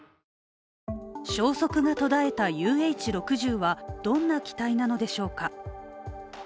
消息が途絶えたＵＨ６０はどんな機体なのでしょうか。